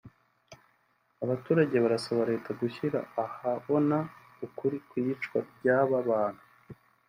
abaturage barasaba Leta gushyira ahabona ukuri ku iyicwa ry’aba bantu